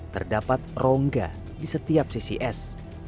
terdapat rongga di setiap sisi es